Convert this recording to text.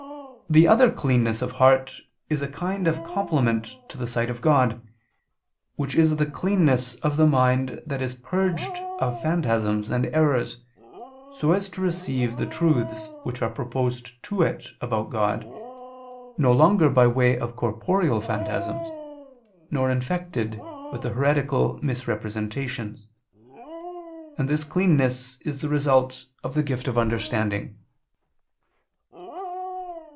The other cleanness of heart is a kind of complement to the sight of God; such is the cleanness of the mind that is purged of phantasms and errors, so as to receive the truths which are proposed to it about God, no longer by way of corporeal phantasms, nor infected with heretical misrepresentations: and this cleanness is the result of the gift of understanding.